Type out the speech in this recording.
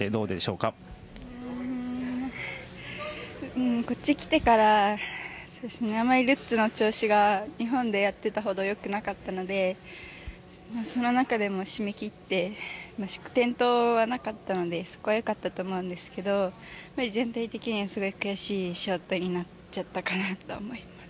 うーん。こっち来てからそうですねあんまりルッツの調子が日本でやってたほど良くなかったのでその中でも締めきって転倒はなかったのでそこはよかったと思うんですけど全体的にはすごい悔しいショートになっちゃったかなと思います。